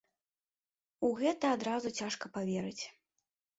У гэта адразу цяжка паверыць.